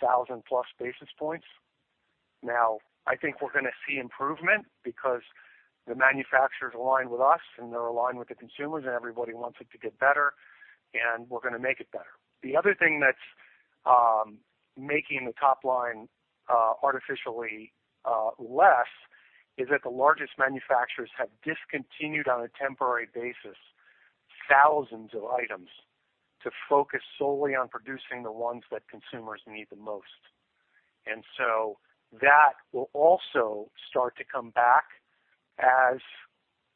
1,000-plus basis points. I think we're going to see improvement because the manufacturers align with us, and they're aligned with the consumers, and everybody wants it to get better, and we're going to make it better. The other thing that's making the top line artificially less is that the largest manufacturers have discontinued on a temporary basis thousands of items to focus solely on producing the ones that consumers need the most. That will also start to come back as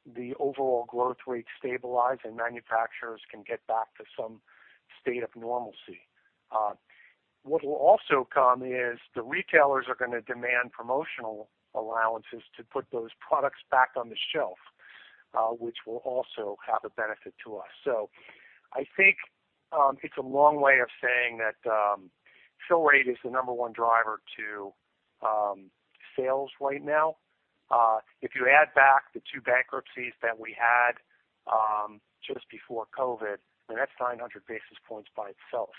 the overall growth rate stabilizes and manufacturers can get back to some state of normalcy. What will also come is the retailers are going to demand promotional allowances to put those products back on the shelf, which will also have a benefit to us. I think it's a long way of saying that fill rate is the number one driver to sales right now. If you add back the two bankruptcies that we had just before COVID, then that's 900 basis points by itself.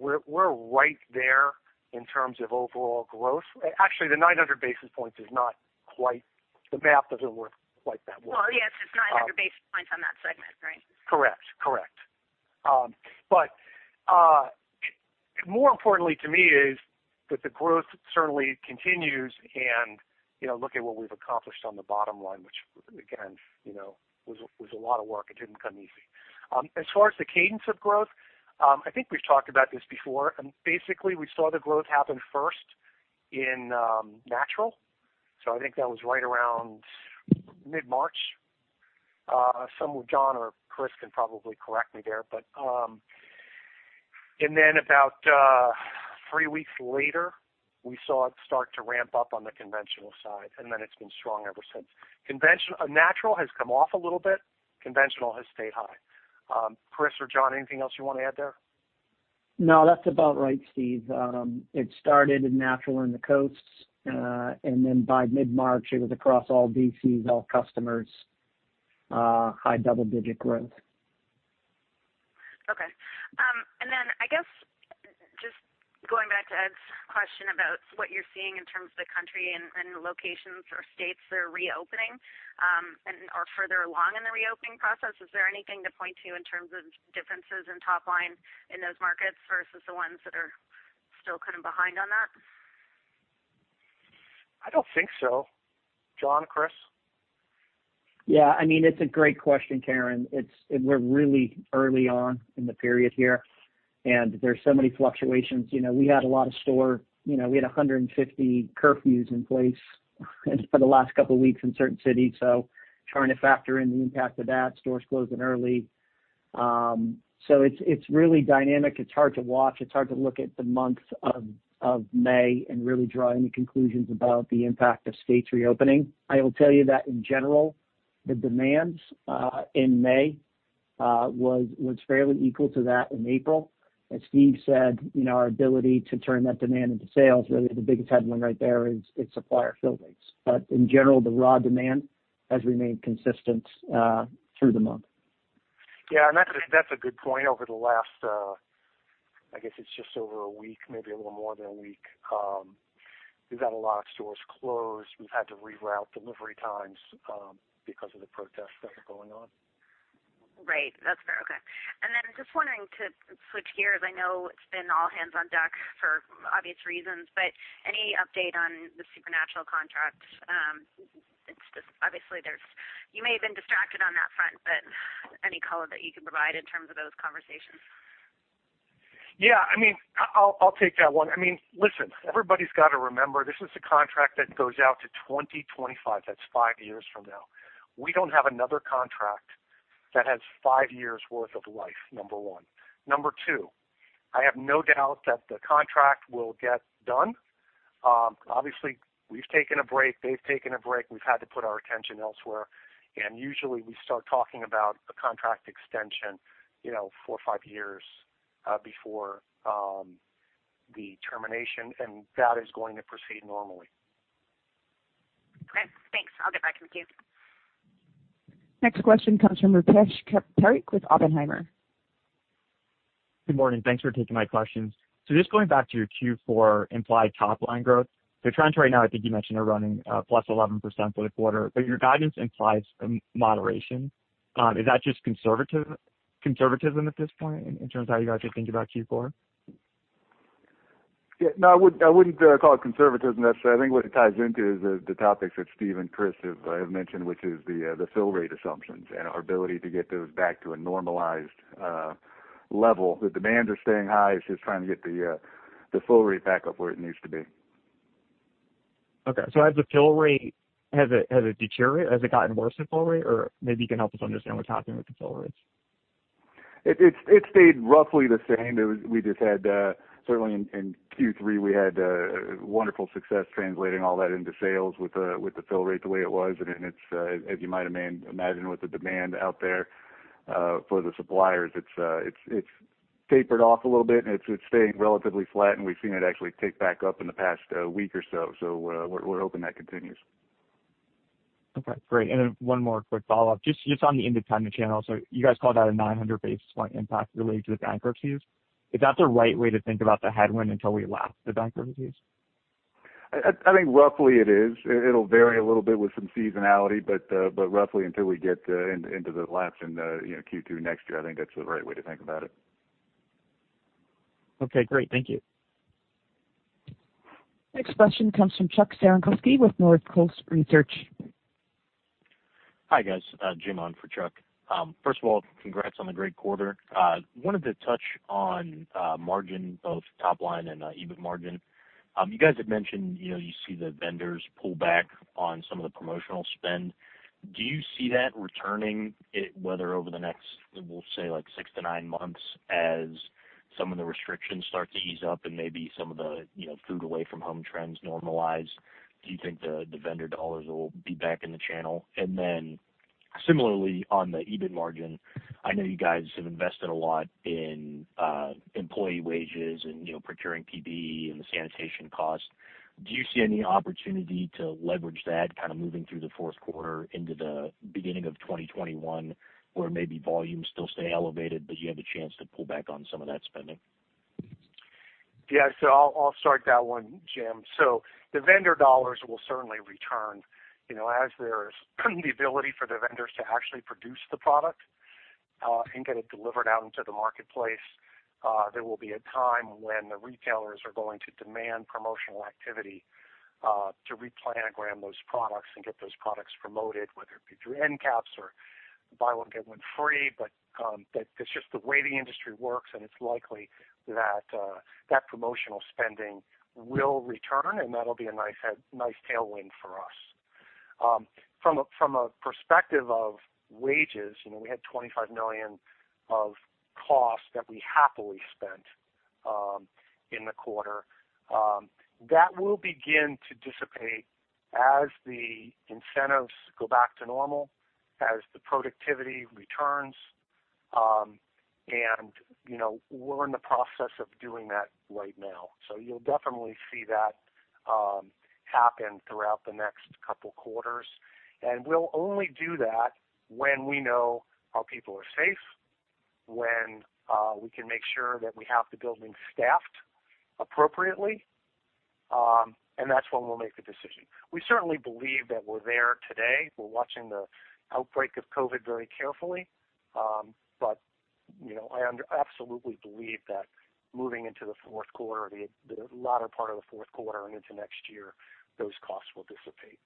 We're right there in terms of overall growth. Actually, the 900 basis points is not quite, the math does not work quite that well. Yes, it's 900 basis points on that segment, right? Correct. Correct. More importantly to me is that the growth certainly continues, and look at what we've accomplished on the bottom line, which, again, was a lot of work. It didn't come easy. As far as the cadence of growth, I think we've talked about this before. Basically, we saw the growth happen first in natural. I think that was right around mid-March. John or Chris can probably correct me there. About three weeks later, we saw it start to ramp up on the conventional side. It has been strong ever since. Natural has come off a little bit. Conventional has stayed high. Chris or John, anything else you want to add there? No, that's about right, Steve. It started in natural in the coasts. Then by mid-March, it was across all DCs, all customers, high double-digit growth. Okay. I guess just going back to Ed's question about what you're seeing in terms of the country and locations or states that are reopening and are further along in the reopening process, is there anything to point to in terms of differences in top line in those markets versus the ones that are still kind of behind on that? I don't think so. John, Chris? Yeah. I mean, it's a great question, Karen. We're really early on in the period here. There's so many fluctuations. We had a lot of store. We had 150 curfews in place for the last couple of weeks in certain cities. Trying to factor in the impact of that, stores closing early. It's really dynamic. It's hard to watch. It's hard to look at the month of May and really draw any conclusions about the impact of states reopening. I will tell you that in general, the demand in May was fairly equal to that in April. As Steve said, our ability to turn that demand into sales, really the biggest headwind right there is supplier fill rates. In general, the raw demand has remained consistent through the month. Yeah. That's a good point. Over the last, I guess it's just over a week, maybe a little more than a week, we've had a lot of stores closed. We've had to reroute delivery times because of the protests that were going on. Right. That's fair. Okay. Just wanting to switch gears. I know it's been all hands on deck for obvious reasons, but any update on the supernatural contracts? Obviously, you may have been distracted on that front, but any color that you can provide in terms of those conversations? Yeah. I mean, I'll take that one. I mean, listen, everybody's got to remember this is a contract that goes out to 2025. That's five years from now. We don't have another contract that has five years' worth of life, number one. Number two, I have no doubt that the contract will get done. Obviously, we've taken a break. They've taken a break. We've had to put our attention elsewhere. Usually, we start talking about a contract extension four or five years before the termination. That is going to proceed normally. Okay. Thanks. I'll get back in with you. Next question comes from Rupesh Parikh with Oppenheimer. Good morning. Thanks for taking my questions. Just going back to your Q4 implied top-line growth, the trends right now, I think you mentioned, are running plus 11% for the quarter. Your guidance implies moderation. Is that just conservatism at this point in terms of how you guys are thinking about Q4? Yeah. No, I wouldn't call it conservatism necessarily. I think what it ties into is the topics that Steve and Chris have mentioned, which is the fill rate assumptions and our ability to get those back to a normalized level. The demands are staying high. It's just trying to get the fill rate back up where it needs to be. Okay. Has the fill rate, has it deteriorated? Has it gotten worse in fill rate? Or maybe you can help us understand what's happening with the fill rates. It stayed roughly the same. We just had, certainly in Q3, we had wonderful success translating all that into sales with the fill rate the way it was. As you might imagine, with the demand out there for the suppliers, it's tapered off a little bit. It's staying relatively flat. We've seen it actually tick back up in the past week or so. We are hoping that continues. Okay. Great. One more quick follow-up. Just on the independent channel, you guys called out a 900 basis point impact related to the bankruptcies. Is that the right way to think about the headwind until we last the bankruptcies? I think roughly it is. It'll vary a little bit with some seasonality, but roughly until we get into the last in Q2 next year, I think that's the right way to think about it. Okay. Great. Thank you. Next question comes from Chuck Cerankosky with North Coast Research. Hi guys. Jim on for Chuck. First of all, congrats on the great quarter. Wanted to touch on margin, both top line and EBIT margin. You guys had mentioned you see the vendors pull back on some of the promotional spend. Do you see that returning, whether over the next, we'll say, six to nine months as some of the restrictions start to ease up and maybe some of the food away from home trends normalize? Do you think the vendor dollars will be back in the channel? Similarly on the EBIT margin, I know you guys have invested a lot in employee wages and procuring PB and the sanitation cost. Do you see any opportunity to leverage that kind of moving through the fourth quarter into the beginning of 2021 where maybe volumes still stay elevated, but you have a chance to pull back on some of that spending? Yeah. I'll start that one, Jim. The vendor dollars will certainly return as there is the ability for the vendors to actually produce the product and get it delivered out into the marketplace. There will be a time when the retailers are going to demand promotional activity to replanogram those products and get those products promoted, whether it be through end caps or buy one, get one free. That's just the way the industry works. It's likely that that promotional spending will return. That'll be a nice tailwind for us. From a perspective of wages, we had $25 million of costs that we happily spent in the quarter. That will begin to dissipate as the incentives go back to normal, as the productivity returns. We're in the process of doing that right now. You will definitely see that happen throughout the next couple of quarters. We will only do that when we know our people are safe, when we can make sure that we have the building staffed appropriately. That is when we will make the decision. We certainly believe that we are there today. We are watching the outbreak of COVID very carefully. I absolutely believe that moving into the fourth quarter, the latter part of the fourth quarter and into next year, those costs will dissipate.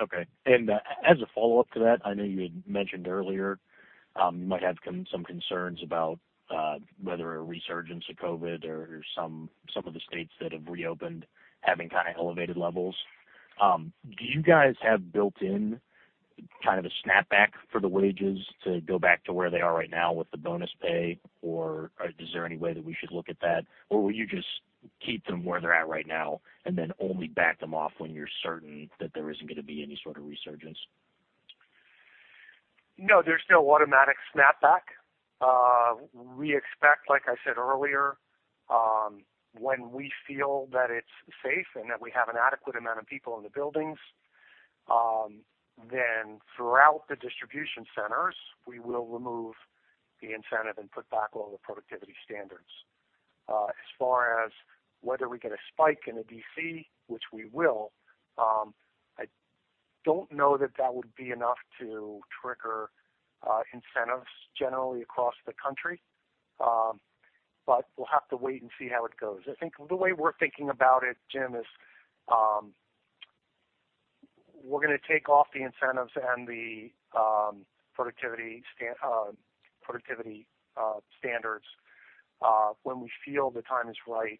Okay. As a follow-up to that, I know you had mentioned earlier you might have some concerns about whether a resurgence of COVID or some of the states that have reopened having kind of elevated levels. Do you guys have built-in kind of a snapback for the wages to go back to where they are right now with the bonus pay? Is there any way that we should look at that? Will you just keep them where they're at right now and then only back them off when you're certain that there isn't going to be any sort of resurgence? No, there's no automatic snapback. We expect, like I said earlier, when we feel that it's safe and that we have an adequate amount of people in the buildings, then throughout the distribution centers, we will remove the incentive and put back all the productivity standards. As far as whether we get a spike in the DC, which we will, I don't know that that would be enough to trigger incentives generally across the country. We will have to wait and see how it goes. I think the way we're thinking about it, Jim, is we're going to take off the incentives and the productivity standards when we feel the time is right,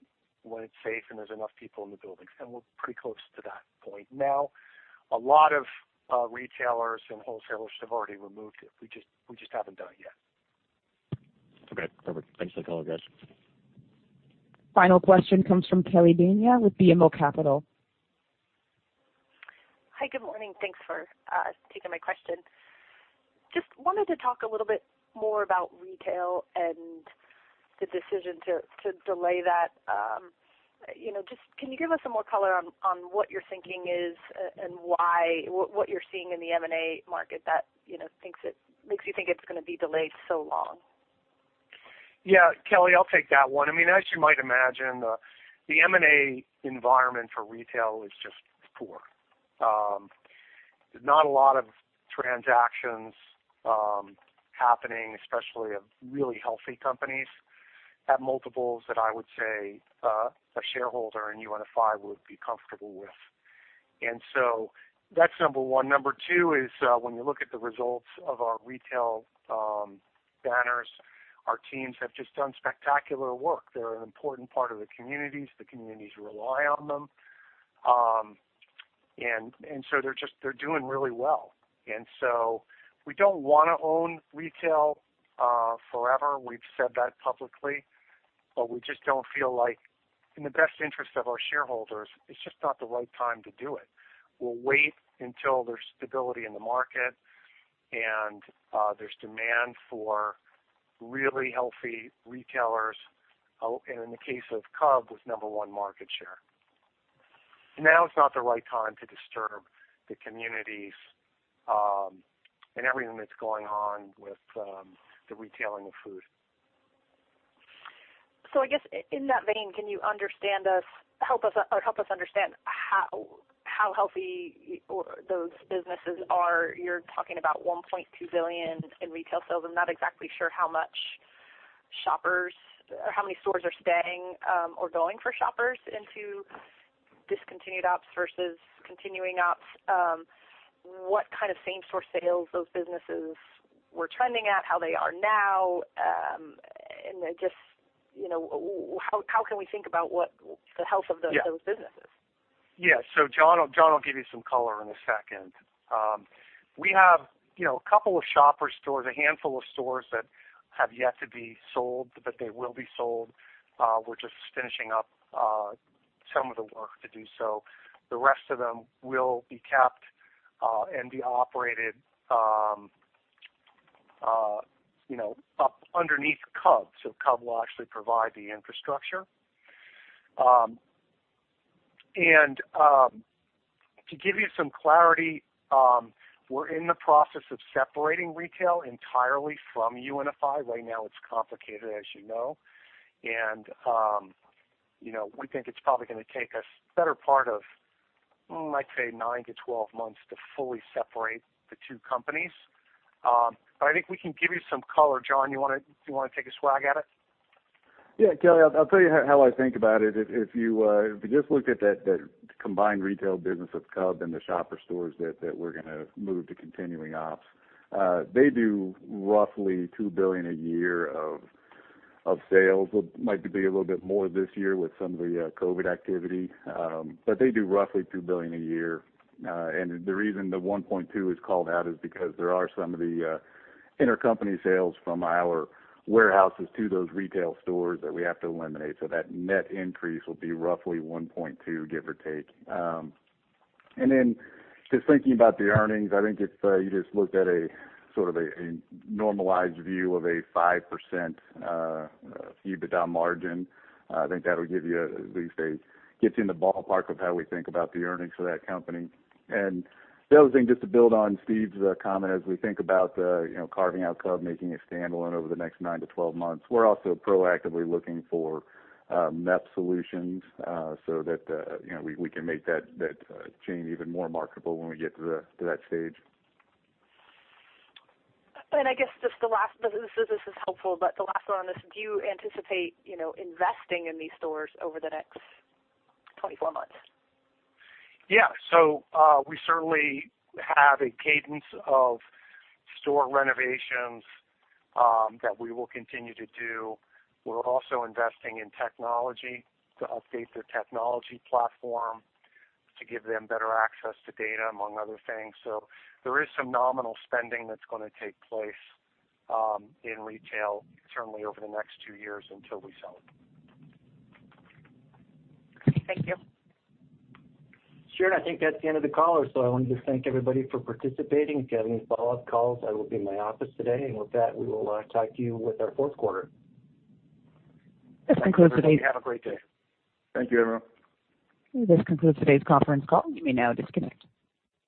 when it's safe, and there's enough people in the buildings. We're pretty close to that point. Now, a lot of retailers and wholesalers have already removed it. We just haven't done it yet. Okay. Perfect. Thanks for the call, guys. Final question comes from Kelly Bania with BMO Capital. Hi. Good morning. Thanks for taking my question. Just wanted to talk a little bit more about retail and the decision to delay that. Just can you give us some more color on what you're thinking is and what you're seeing in the M&A market that makes you think it's going to be delayed so long? Yeah. Kelly, I'll take that one. I mean, as you might imagine, the M&A environment for retail is just poor. There's not a lot of transactions happening, especially of really healthy companies at multiples that I would say a shareholder in UNFI would be comfortable with. That's number one. Number two is when you look at the results of our retail banners, our teams have just done spectacular work. They're an important part of the communities. The communities rely on them. They're doing really well. We don't want to own retail forever. We've said that publicly. We just don't feel like, in the best interest of our shareholders, it's just not the right time to do it. We'll wait until there's stability in the market and there's demand for really healthy retailers. In the case of Cub, with number one market share. Now it's not the right time to disturb the communities and everything that's going on with the retailing of food. I guess in that vein, can you help us understand how healthy those businesses are? You're talking about $1.2 billion in retail sales. I'm not exactly sure how many stores are staying or going for shoppers into discontinued ops versus continuing ops. What kind of same-store sales those businesses were trending at, how they are now? Just how can we think about the health of those businesses? Yeah. John will give you some color in a second. We have a couple of shopper stores, a handful of stores that have yet to be sold, but they will be sold. We're just finishing up some of the work to do so. The rest of them will be kept and be operated up underneath Cub. Cub will actually provide the infrastructure. To give you some clarity, we're in the process of separating retail entirely from UNFI. Right now, it's complicated, as you know. We think it's probably going to take us the better part of, I'd say, 9 months to 12 months to fully separate the two companies. I think we can give you some color. John, you want to take a swag at it? Yeah. Kelly, I'll tell you how I think about it. If you just looked at the combined retail business of Cub and the shopper stores that we're going to move to continuing ops, they do roughly $2 billion a year of sales. It might be a little bit more this year with some of the COVID activity. They do roughly $2 billion a year. The reason the $1.2 billion is called out is because there are some of the intercompany sales from our warehouses to those retail stores that we have to eliminate. That net increase will be roughly $1.2 billion, give or take. Just thinking about the earnings, I think if you just looked at a sort of a normalized view of a 5% EBITDA margin, I think that would give you at least get you in the ballpark of how we think about the earnings for that company. The other thing, just to build on Steve's comment, as we think about carving out Cub, making it standalone over the next 9 months to 12 months, we're also proactively looking for MEP solutions so that we can make that chain even more marketable when we get to that stage. I guess just the last. This is helpfu but the last one on this, do you anticipate investing in these stores over the next 24 months? Yeah. We certainly have a cadence of store renovations that we will continue to do. We're also investing in technology to update the technology platform to give them better access to data, among other things. There is some nominal spending that's going to take place in retail certainly over the next two years until we sell it. Okay. Thank you. Sure. I think that's the end of the call. I wanted to thank everybody for participating. If you have any follow-up calls, I will be my office today. With that, we will talk to you with our fourth quarter. This concludes today's. Have a great day. Thank you, everyone. This concludes today's conference call. You may now disconnect.